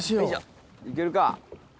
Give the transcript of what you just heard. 行けるか？